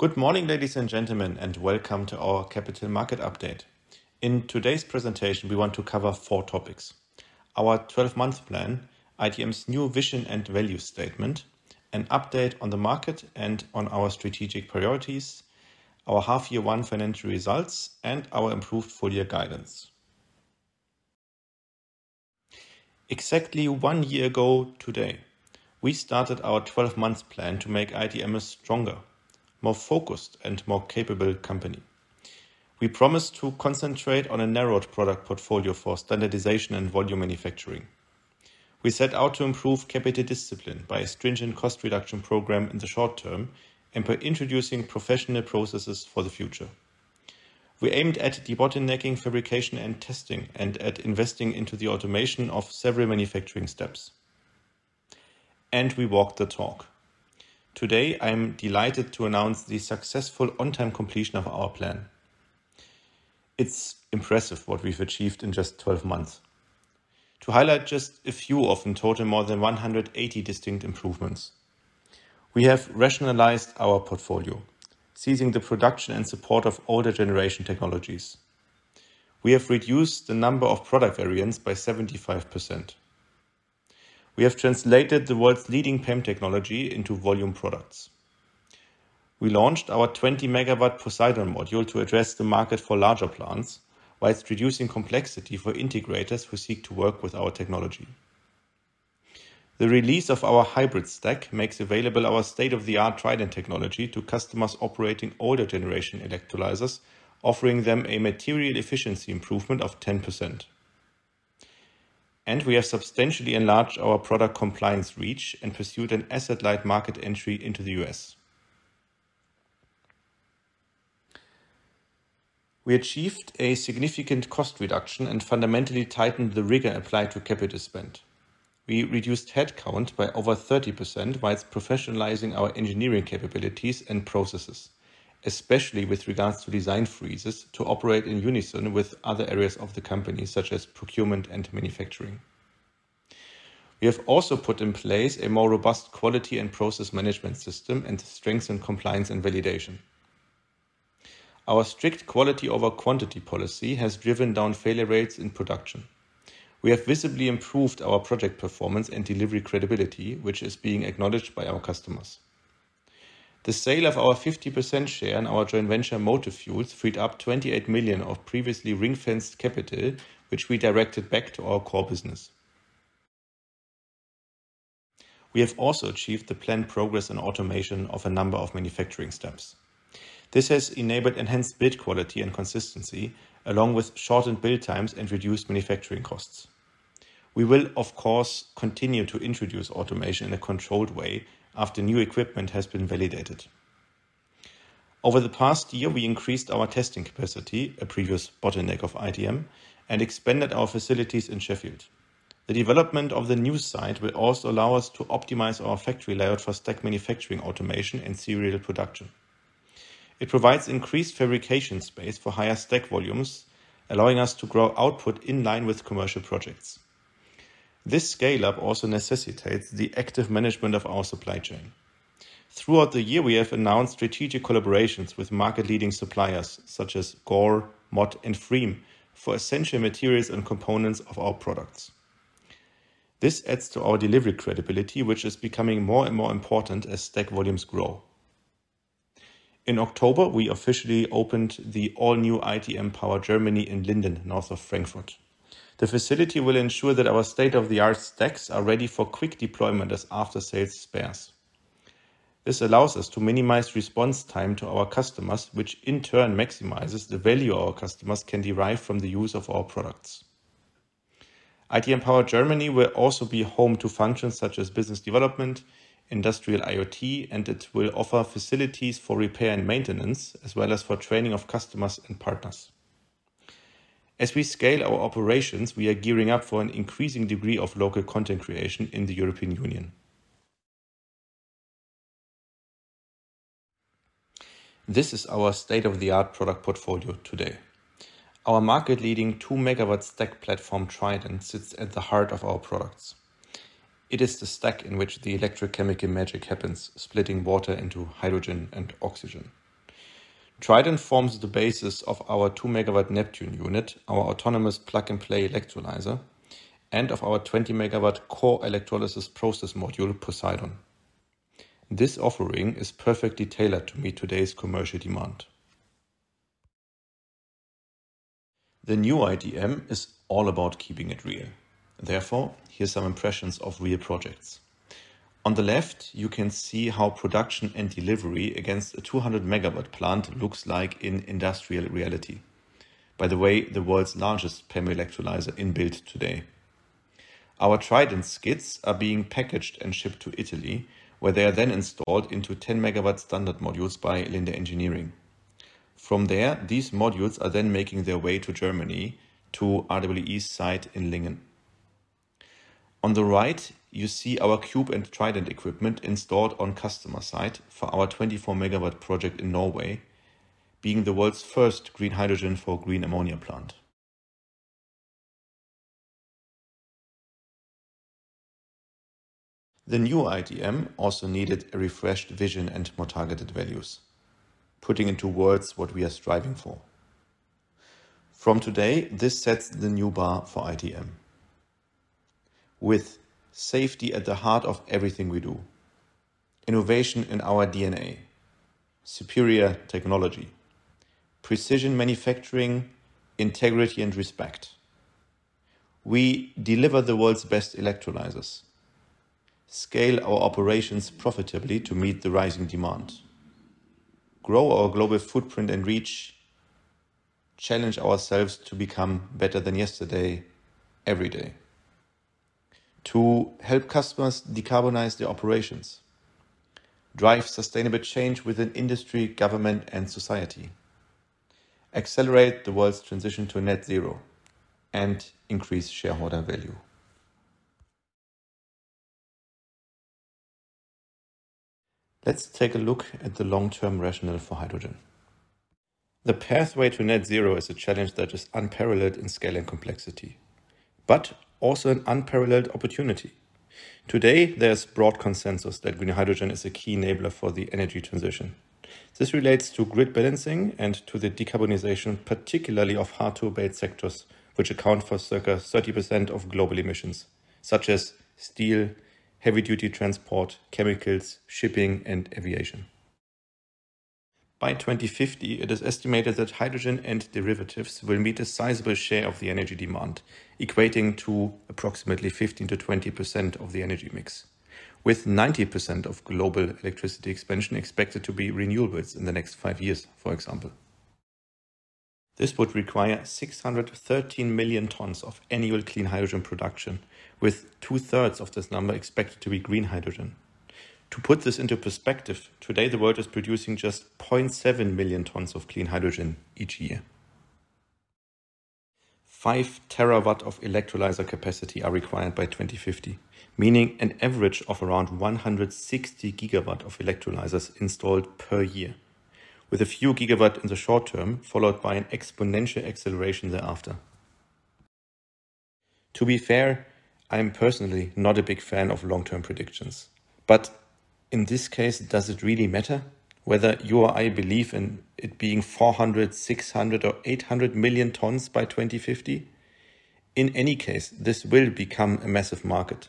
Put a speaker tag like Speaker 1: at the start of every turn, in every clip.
Speaker 1: Good morning, ladies and gentlemen, and welcome to our capital market update. In today's presentation, we want to cover four topics: our 12-month plan, ITM's new vision and value statement, an update on the market and on our strategic priorities, our half-year one-financial results, and our improved full year guidance. Exactly one year ago today, we started our 12-month plan to make ITM a stronger, more focused, and more capable company. We promised to concentrate on a narrowed product portfolio for standardization and volume manufacturing. We set out to improve capital discipline by a stringent cost reduction program in the short term and by introducing professional processes for the future. We aimed at debottlenecking fabrication and testing and at investing into the automation of several manufacturing steps, and we walked the talk. Today, I am delighted to announce the successful on-time completion of our plan. It's impressive what we've achieved in just 12 months. To highlight just a few of in total, more than 180 distinct improvements, we have rationalized our portfolio, ceasing the production and support of older generation technologies. We have reduced the number of product variants by 75%. We have translated the world's leading PEM technology into volume products. We launched our 20 MW POSEIDON module to address the market for larger plants, while reducing complexity for integrators who seek to work with our technology. The release of our Hybrid Stack makes available our state-of-the-art Trident technology to customers operating older generation electrolyzers, offering them a material efficiency improvement of 10%. And we have substantially enlarged our product compliance reach and pursued an asset-light market entry into the US We achieved a significant cost reduction and fundamentally tightened the rigor applied to capital spend. We reduced headcount by over 30%, while professionalizing our engineering capabilities and processes, especially with regards to design freezes, to operate in unison with other areas of the company, such as procurement and manufacturing. We have also put in place a more robust quality and process management system and strengthened compliance and validation. Our strict quality over quantity policy has driven down failure rates in production. We have visibly improved our project performance and delivery credibility, which is being acknowledged by our customers. The sale of our 50% share in our joint venture, Motive Fuels, freed up 28 million of previously ring-fenced capital, which we directed back to our core business. We have also achieved the planned progress and automation of a number of manufacturing steps. This has enabled enhanced build quality and consistency, along with shortened build times and reduced manufacturing costs. We will, of course, continue to introduce automation in a controlled way after new equipment has been validated. Over the past year, we increased our testing capacity, a previous bottleneck of ITM, and expanded our facilities in Sheffield. The development of the new site will also allow us to optimize our factory layout for stack manufacturing, automation, and serial production. It provides increased fabrication space for higher stack volumes, allowing us to grow output in line with commercial projects. This scale-up also necessitates the active management of our supply chain. Throughout the year, we have announced strategic collaborations with market leading suppliers such as Gore, Mott, and FRIEM, for essential materials and components of our products. This adds to our delivery credibility, which is becoming more and more important as stack volumes grow. In October, we officially opened the all-new ITM Power Germany in Linden, North of Frankfurt. The facility will ensure that our state-of-the-art stacks are ready for quick deployment as after-sales spares. This allows us to minimize response time to our customers, which in turn maximizes the value our customers can derive from the use of our products. ITM Power Germany will also be home to functions such as business development, Industrial IoT, and it will offer facilities for repair and maintenance, as well as for training of customers and partners. As we scale our operations, we are gearing up for an increasing degree of local content creation in the European Union. This is our state-of-the-art product portfolio today. Our market-leading 2 MW stack platform, TRIDENT, sits at the heart of our products. It is the stack in which the electrochemical magic happens, splitting water into hydrogen and oxygen. TRIDENT forms the basis of our 2 MW NEPTUNE unit, our autonomous plug-and-play electrolyzer, and of our 20 MW core electrolysis process module, POSEIDON. This offering is perfectly tailored to meet today's commercial demand. The new ITM is all about keeping it real. Therefore, here's some impressions of real projects. On the left, you can see how production and delivery against a 200-MW plant looks like in industrial reality. By the way, the world's largest PEM electrolyzer being built today. Our TRIDENT skids are being packaged and shipped to Italy, where they are then installed into 10-MW standard modules by Linde Engineering. From there, these modules are then making their way to Germany, to RWE's site in Lingen. On the right, you see our cube and TRIDENT equipment installed on customer site for our 24 MW project in Norway, being the world's first green hydrogen for green ammonia plant. The new ITM also needed a refreshed vision and more targeted values, putting into words what we are striving for. From today, this sets the new bar for ITM. With safety at the heart of everything we do, innovation in our DNA, superior technology, precision manufacturing, integrity, and respect, we deliver the world's best electrolyzers, scale our operations profitably to meet the rising demand, grow our global footprint and reach, challenge ourselves to become better than yesterday, every day. To help customers decarbonize their operations, drive sustainable change within industry, government, and society, accelerate the world's transition to net zero, and increase shareholder value. Let's take a look at the long-term rationale for hydrogen. The pathway to net zero is a challenge that is unparalleled in scale and complexity, but also an unparalleled opportunity. Today, there's broad consensus that green hydrogen is a key enabler for the energy transition. This relates to grid balancing and to the decarbonization, particularly of hard-to-abate sectors, which account for circa 30% of global emissions, such as steel, heavy-duty transport, chemicals, shipping, and aviation. By 2050, it is estimated that hydrogen and derivatives will meet a sizable share of the energy demand, equating to approximately 15%-20% of the energy mix, with 90% of global electricity expansion expected to be renewables in the next five years, for example. This would require 613 million tons of annual clean hydrogen production, with 2/3 of this number expected to be green hydrogen. To put this into perspective, today, the world is producing just 0.7 million tons of clean hydrogen each year. 5 terawatts of electrolyzer capacity are required by 2050, meaning an average of around 160 gigawatts of electrolyzers installed per year, with a few gigawatts in the short term, followed by an exponential acceleration thereafter. To be fair, I am personally not a big fan of long-term predictions, but in this case, does it really matter whether you or I believe in it being 400, 600, or 800 million tons by 2050? In any case, this will become a massive market,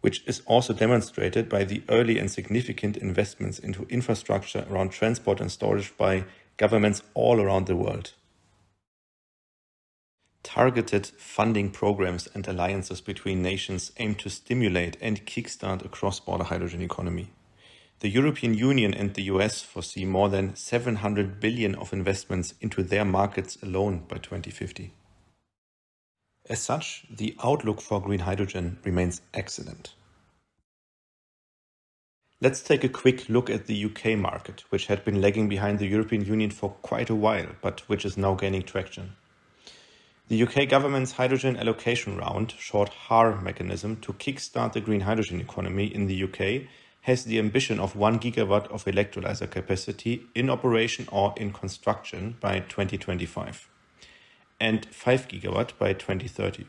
Speaker 1: which is also demonstrated by the early and significant investments into infrastructure around transport and storage by governments all around the world. Targeted funding programs and alliances between nations aim to stimulate and kickstart a cross-border hydrogen economy. The European Union and the US foresee more than $700 billion of investments into their markets alone by 2050. As such, the outlook for green hydrogen remains excellent. Let's take a quick look at the UK market, which had been lagging behind the European Union for quite a while, but which is now gaining traction. The UK government's Hydrogen Allocation Round, short HAR mechanism, to kickstart the green hydrogen economy in the UK, has the ambition of 1 gigawatt of electrolyzer capacity in operation or in construction by 2025 and 5 gigawatts by 2030.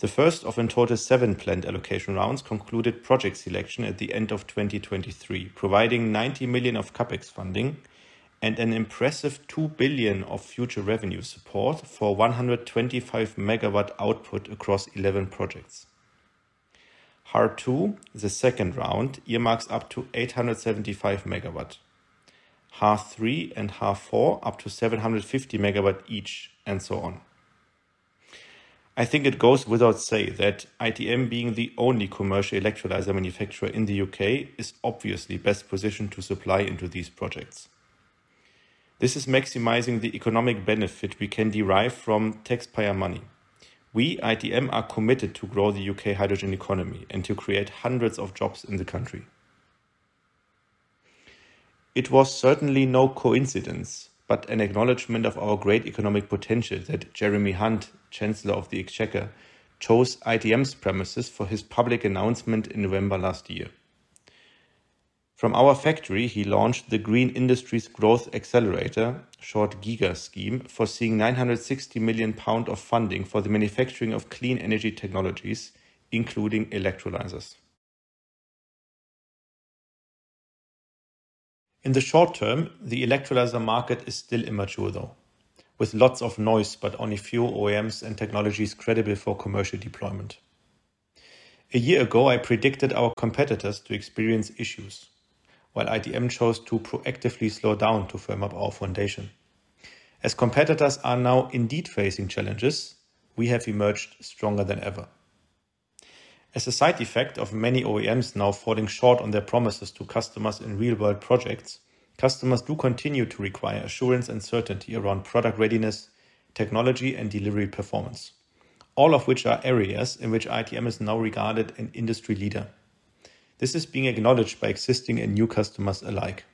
Speaker 1: The first of in total seven planned allocation rounds concluded project selection at the end of 2023, providing 90 million of CapEx funding and an impressive 2 billion of future revenue support for 125 megawatts output across 11 projects. HAR2, the second round, earmarks up to 875 MW. HAR3 and HAR4, up to 750 MW each, and so on. I think it goes without saying that ITM, being the only commercial electrolyzer manufacturer in the UK, is obviously best positioned to supply into these projects. This is maximizing the economic benefit we can derive from taxpayer money. We, ITM, are committed to grow the UK hydrogen economy and to create hundreds of jobs in the country. It was certainly no coincidence, but an acknowledgment of our great economic potential that Jeremy Hunt, Chancellor of the Exchequer, chose ITM's premises for his public announcement in November last year. From our factory, he launched the Green Industries Growth Accelerator, short GIGA scheme, foreseeing 960 million pound of funding for the manufacturing of clean energy technologies, including electrolyzers. In the short term, the electrolyzer market is still immature, though, with lots of noise, but only a few OEMs and technologies credible for commercial deployment. A year ago, I predicted our competitors to experience issues, while ITM chose to proactively slow down to firm up our foundation. As competitors are now indeed facing challenges, we have emerged stronger than ever. As a side effect of many OEMs now falling short on their promises to customers in real-world projects, customers do continue to require assurance and certainty around product readiness, technology, and delivery performance, all of which are areas in which ITM is now regarded as an industry leader. This is being acknowledged by existing and new customers alike.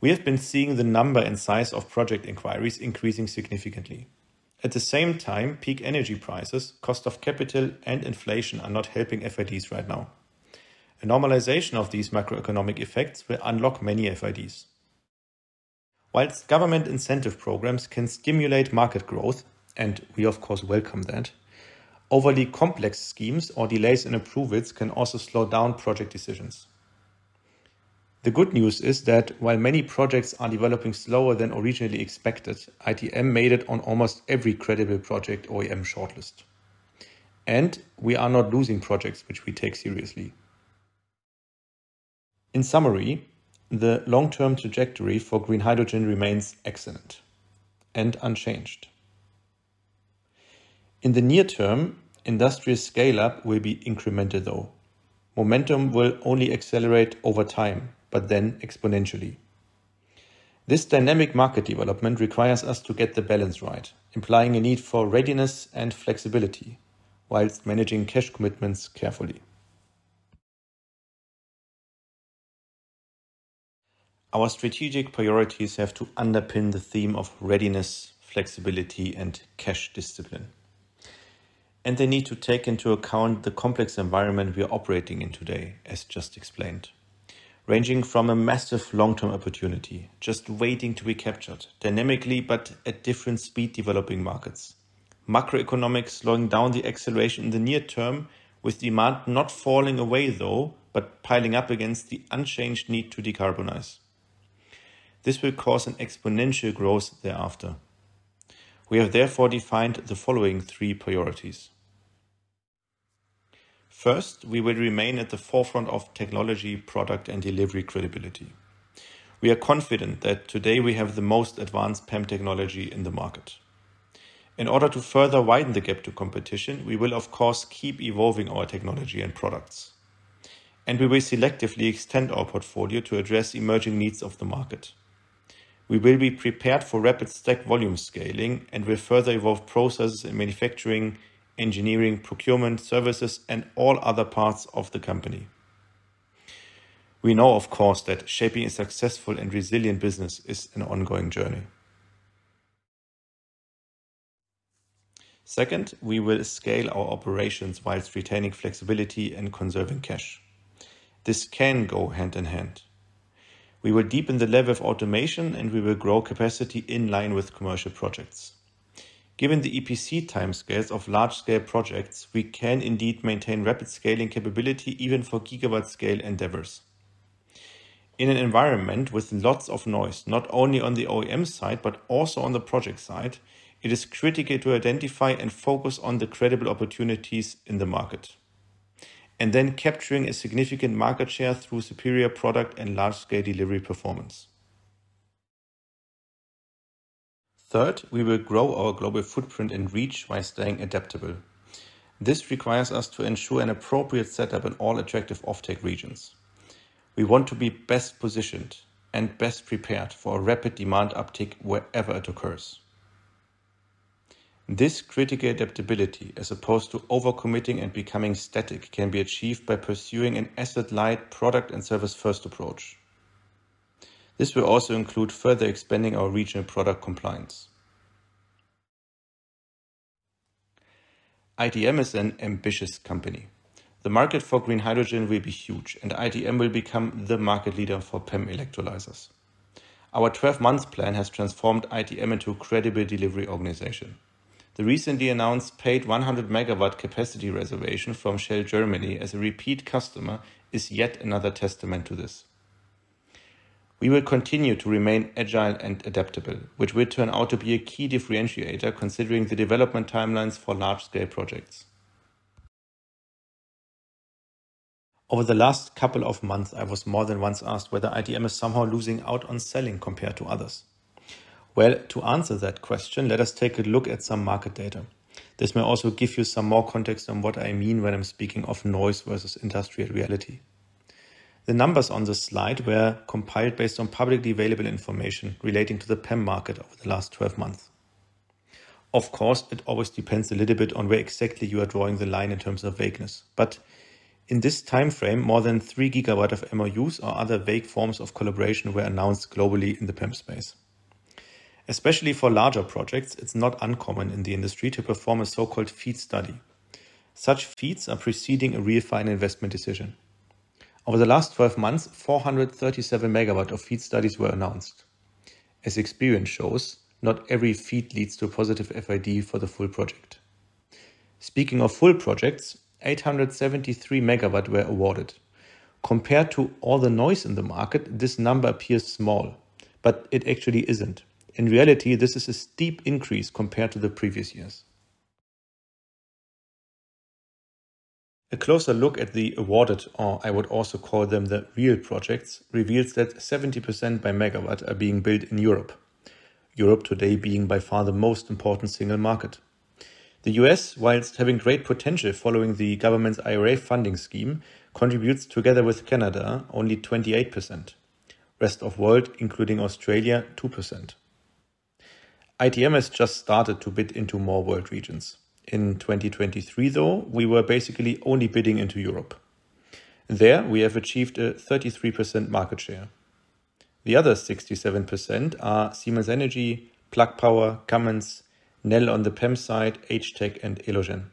Speaker 1: We have been seeing the number and size of project inquiries increasing significantly. At the same time, peak energy prices, cost of capital, and inflation are not helping FIDs right now. A normalization of these macroeconomic effects will unlock many FIDs. Whilst government incentive programs can stimulate market growth, and we of course, welcome that, overly complex schemes or delays in approvals can also slow down project decisions. The good news is that while many projects are developing slower than originally expected, ITM made it on almost every credible project OEM shortlist, and we are not losing projects which we take seriously. In summary, the long-term trajectory for green hydrogen remains excellent and unchanged. In the near term, industrial scale-up will be incremental, though. Momentum will only accelerate over time, but then exponentially. This dynamic market development requires us to get the balance right, implying a need for readiness and flexibility whilst managing cash commitments carefully. Our strategic priorities have to underpin the theme of readiness, flexibility, and cash discipline, and they need to take into account the complex environment we are operating in today, as just explained, ranging from a massive long-term opportunity, just waiting to be captured dynamically but at different speed-developing markets. Macroeconomics slowing down the acceleration in the near term, with demand not falling away, though, but piling up against the unchanged need to decarbonize. This will cause an exponential growth thereafter. We have therefore defined the following three priorities. First, we will remain at the forefront of technology, product, and delivery credibility. We are confident that today we have the most advanced PEM technology in the market. In order to further widen the gap to competition, we will of course keep evolving our technology and products, and we will selectively extend our portfolio to address emerging needs of the market. We will be prepared for rapid stack volume scaling and will further evolve processes in manufacturing, engineering, procurement, services, and all other parts of the company. We know, of course, that shaping a successful and resilient business is an ongoing journey. Second, we will scale our operations whilst retaining flexibility and conserving cash. This can go hand in hand. We will deepen the level of automation, and we will grow capacity in line with commercial projects. Given the EPC timescales of large-scale projects, we can indeed maintain rapid scaling capability even for gigawatt-scale endeavors. In an environment with lots of noise, not only on the OEM side, but also on the project side, it is critical to identify and focus on the credible opportunities in the market, and then capturing a significant market share through superior product and large-scale delivery performance. Third, we will grow our global footprint and reach by staying adaptable. This requires us to ensure an appropriate setup in all attractive offtake regions. We want to be best positioned and best prepared for a rapid demand uptick wherever it occurs. This critical adaptability, as opposed to over-committing and becoming static, can be achieved by pursuing an asset-light, product- and service-first approach. This will also include further expanding our regional product compliance. ITM is an ambitious company. The market for green hydrogen will be huge, and ITM will become the market leader for PEM electrolyzers. Our 12-month plan has transformed ITM into a credible delivery organization. The recently announced paid 100 MW capacity reservation from Shell Deutschland as a repeat customer is yet another testament to this. We will continue to remain agile and adaptable, which will turn out to be a key differentiator, considering the development timelines for large-scale projects. Over the last couple of months, I was more than once asked whether ITM is somehow losing out on selling compared to others. Well, to answer that question, let us take a look at some market data. This may also give you some more context on what I mean when I'm speaking of noise versus industrial reality. The numbers on this slide were compiled based on publicly available information relating to the PEM market over the last 12 months. Of course, it always depends a little bit on where exactly you are drawing the line in terms of vagueness, but in this time frame, more than 3 GW of MOUs or other vague forms of collaboration were announced globally in the PEM space. Especially for larger projects, it's not uncommon in the industry to perform a so-called FEED study. Such FEEDs are preceding a refined investment decision. Over the last 12 months, 437 MW of FEED studies were announced. As experience shows, not every FEED leads to a positive FID for the full project. Speaking of full projects, 873 MW were awarded. Compared to all the noise in the market, this number appears small, but it actually isn't. In reality, this is a steep increase compared to the previous years. A closer look at the awarded, or I would also call them the real projects, reveals that 70% by MW are being built in Europe. Europe today being by far the most important single market. The US, whilst having great potential following the government's IRA funding scheme, contributes together with Canada, only 28%. Rest of world, including Australia, 2%. ITM has just started to bid into more world regions. In 2023, though, we were basically only bidding into Europe. There, we have achieved a 33% market share. The other 67% are Siemens Energy, Plug Power, Cummins, Nel on the PEM side, H-TEC, and Elogen....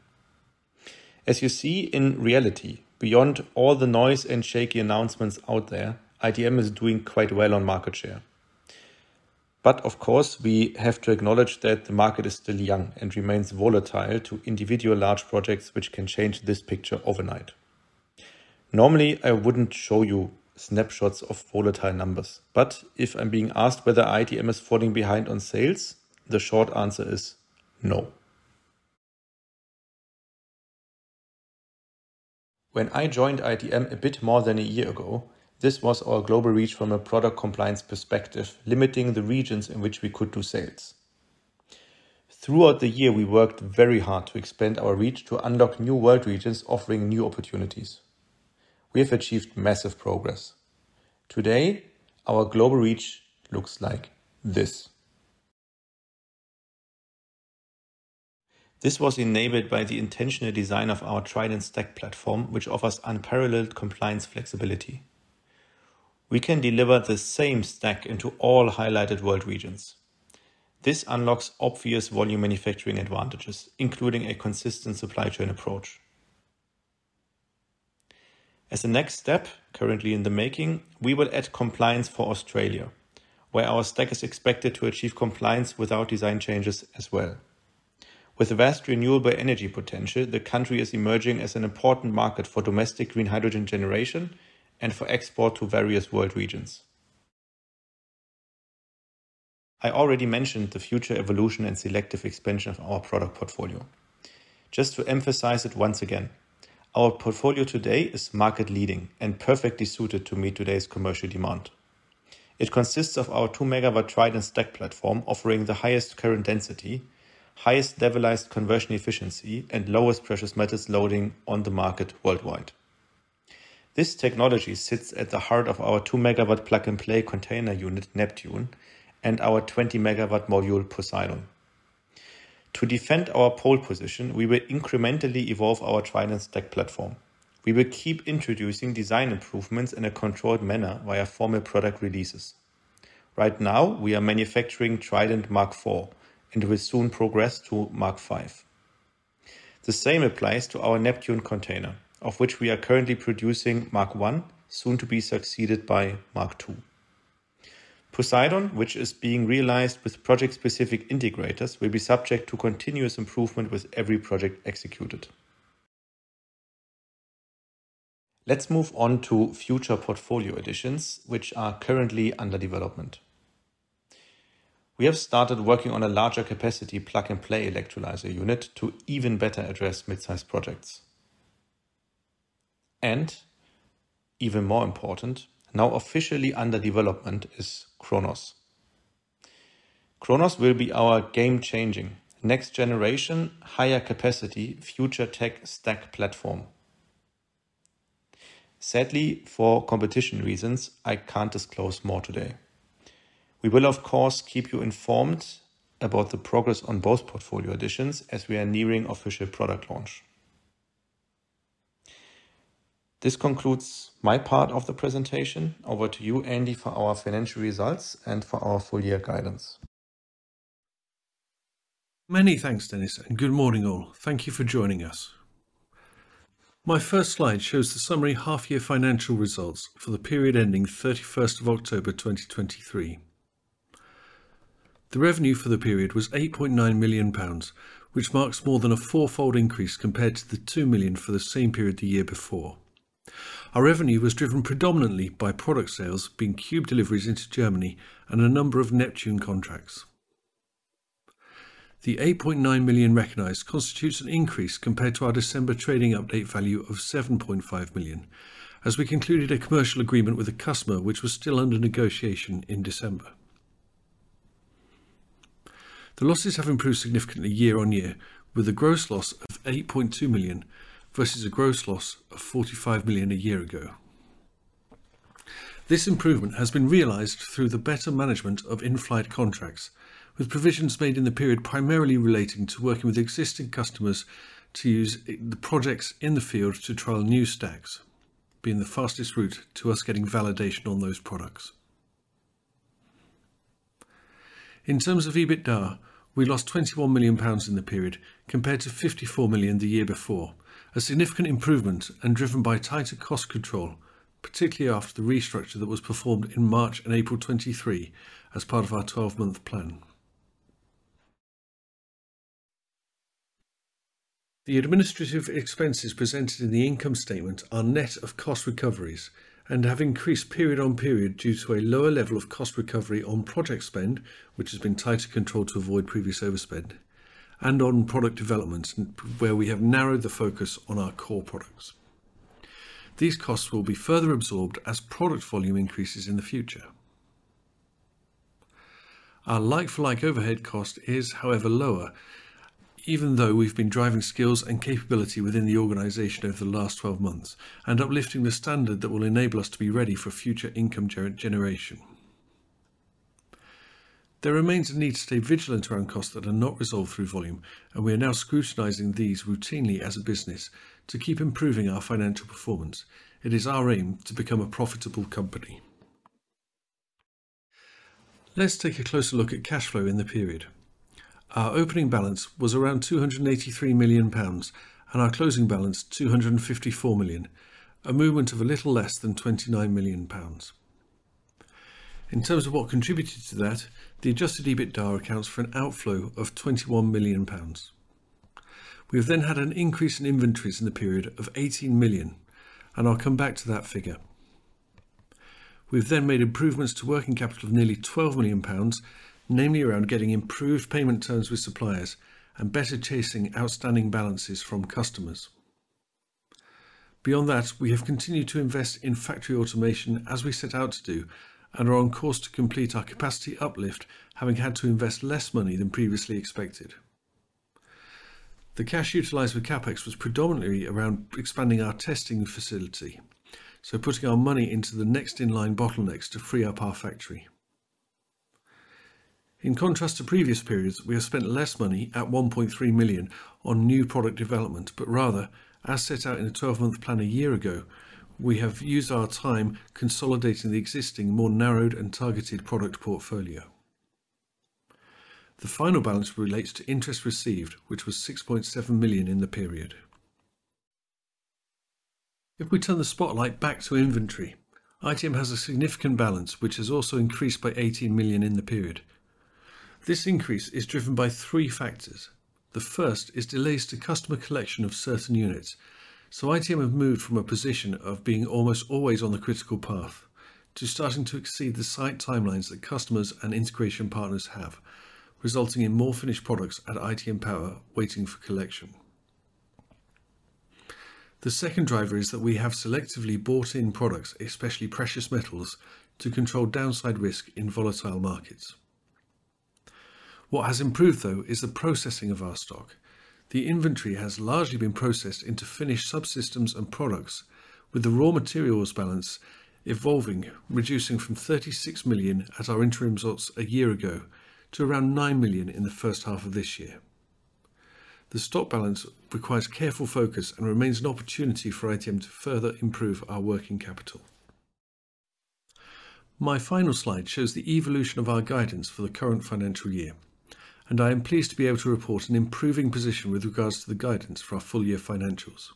Speaker 1: As you see, in reality, beyond all the noise and shaky announcements out there, ITM is doing quite well on market share. But of course, we have to acknowledge that the market is still young and remains volatile to individual large projects, which can change this picture overnight. Normally, I wouldn't show you snapshots of volatile numbers, but if I'm being asked whether ITM is falling behind on sales, the short answer is no. When I joined ITM a bit more than a year ago, this was our global reach from a product compliance perspective, limiting the regions in which we could do sales. Throughout the year, we worked very hard to expand our reach to unlock new world regions offering new opportunities. We have achieved massive progress. Today, our global reach looks like this. This was enabled by the intentional design of our Trident stack platform, which offers unparalleled compliance flexibility. We can deliver the same stack into all highlighted world regions. This unlocks obvious volume manufacturing advantages, including a consistent supply chain approach. As a next step, currently in the making, we will add compliance for Australia, where our stack is expected to achieve compliance without design changes as well. With vast renewable energy potential, the country is emerging as an important market for domestic green hydrogen generation and for export to various world regions. I already mentioned the future evolution and selective expansion of our product portfolio. Just to emphasize it once again, our portfolio today is market leading and perfectly suited to meet today's commercial demand. It consists of our 2 MW TRIDENT stack platform, offering the highest current density, highest levelized conversion efficiency, and lowest precious metals loading on the market worldwide. This technology sits at the heart of our 2 MW plug-and-play container unit, NEPTUNE, and our 20 MW module, POSEIDON. To defend our pole position, we will incrementally evolve our TRIDENT stack platform. We will keep introducing design improvements in a controlled manner via formal product releases. Right now, we are manufacturing TRIDENT Mark 4 and will soon progress to Mark 5. The same applies to our NEPTUNE container, of which we are currently producing Mark 1, soon to be succeeded by Mark 2. POSEIDON, which is being realized with project-specific integrators, will be subject to continuous improvement with every project executed. Let's move on to future portfolio additions, which are currently under development. We have started working on a larger capacity plug-and-play electrolyzer unit to even better address mid-size projects. Even more important, now officially under development is Kronos. Kronos will be our game-changing, next-generation, higher-capacity, future tech stack platform. Sadly, for competition reasons, I can't disclose more today. We will, of course, keep you informed about the progress on both portfolio additions as we are nearing official product launch. This concludes my part of the presentation. Over to you, Andy, for our financial results and for our full year guidance.
Speaker 2: Many thanks, Dennis, and good morning, all. Thank you for joining us. My first slide shows the summary half-year financial results for the period ending 31st of October 2023. The revenue for the period was 8.9 million pounds, which marks more than a four-fold increase compared to the 2 million for the same period the year before. Our revenue was driven predominantly by product sales, being cube deliveries into Germany and a number of Neptune contracts. The 8.9 million recognized constitutes an increase compared to our December trading update value of 7.5 million, as we concluded a commercial agreement with a customer which was still under negotiation in December. The losses have improved significantly year-on-year, with a gross loss of 8.2 million versus a gross loss of 45 million a year ago. This improvement has been realized through the better management of in-flight contracts, with provisions made in the period primarily relating to working with existing customers to use the projects in the field to trial new stacks, being the fastest route to us getting validation on those products. In terms of EBITDA, we lost 21 million pounds in the period, compared to 54 million the year before, a significant improvement and driven by tighter cost control, particularly after the restructure that was performed in March and April 2023 as part of our twelve-month plan. The administrative expenses presented in the income statement are net of cost recoveries and have increased period-on-period due to a lower level of cost recovery on project spend, which has been tighter controlled to avoid previous overspend, and on product developments, where we have narrowed the focus on our core products. These costs will be further absorbed as product volume increases in the future. Our like-for-like overhead cost is, however, lower, even though we've been driving skills and capability within the organization over the last 12 months and uplifting the standard that will enable us to be ready for future income generation. There remains a need to stay vigilant around costs that are not resolved through volume, and we are now scrutinizing these routinely as a business to keep improving our financial performance. It is our aim to become a profitable company. Let's take a closer look at cash flow in the period. Our opening balance was around 283 million pounds, and our closing balance, 254 million, a movement of a little less than 29 million pounds. In terms of what contributed to that, the adjusted EBITDA accounts for an outflow of 21 million pounds. We've then had an increase in inventories in the period of 18 million, and I'll come back to that figure. We've then made improvements to working capital of nearly 12 million pounds, namely around getting improved payment terms with suppliers and better chasing outstanding balances from customers. Beyond that, we have continued to invest in factory automation as we set out to do, and are on course to complete our capacity uplift, having had to invest less money than previously expected. The cash utilized with CapEx was predominantly around expanding our testing facility, so putting our money into the next in-line bottlenecks to free up our factory. In contrast to previous periods, we have spent less money, at 1.3 million, on new product development, but rather, as set out in the twelve-month plan a year ago, we have used our time consolidating the existing, more narrowed and targeted product portfolio. The final balance relates to interest received, which was 6.7 million in the period. If we turn the spotlight back to inventory, ITM has a significant balance, which has also increased by 18 million in the period. This increase is driven by three factors. The first is delays to customer collection of certain units. So ITM have moved from a position of being almost always on the critical path to starting to exceed the site timelines that customers and integration partners have, resulting in more finished products at ITM Power, waiting for collection. The second driver is that we have selectively bought in products, especially precious metals, to control downside risk in volatile markets. What has improved, though, is the processing of our stock. The inventory has largely been processed into finished subsystems and products, with the raw materials balance evolving, reducing from 36 million as our interim results a year ago to around 9 million in the first half of this year. The stock balance requires careful focus and remains an opportunity for ITM to further improve our working capital. My final slide shows the evolution of our guidance for the current financial year, and I am pleased to be able to report an improving position with regards to the guidance for our full year financials.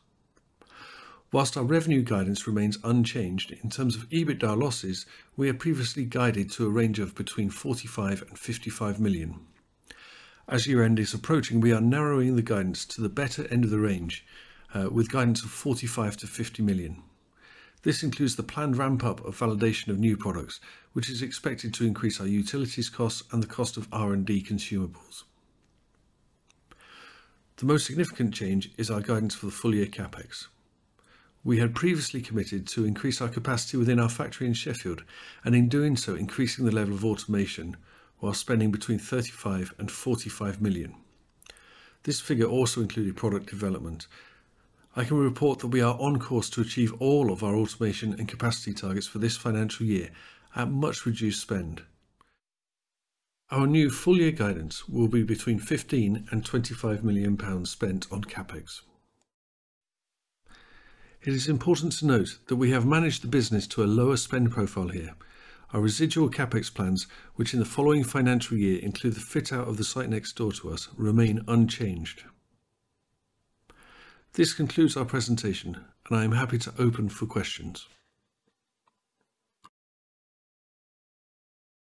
Speaker 2: Whilst our revenue guidance remains unchanged in terms of EBITDA losses, we are previously guided to a range of between 45 million and 55 million. As year-end is approaching, we are narrowing the guidance to the better end of the range, with guidance of 45-50 million. This includes the planned ramp-up of validation of new products, which is expected to increase our utilities costs and the cost of R&D consumables. The most significant change is our guidance for the full-year CapEx. We had previously committed to increase our capacity within our factory in Sheffield, and in doing so, increasing the level of automation while spending between 35-45 million. This figure also included product development. I can report that we are on course to achieve all of our automation and capacity targets for this financial year at much reduced spend. Our new full-year guidance will be between 15-25 million pounds spent on CapEx. It is important to note that we have managed the business to a lower spend profile here. Our residual CapEx plans, which in the following financial year include the fit-out of the site next door to us, remain unchanged. This concludes our presentation, and I am happy to open for questions.